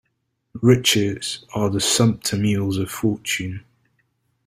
Riches are the sumpter mules of fortune.